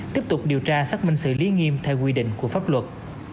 tiếp tục điều tra xác minh xử lý nghiêm theo quy định của pháp luật